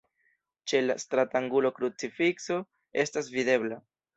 Ĉe la stratangulo krucifikso estas videbla.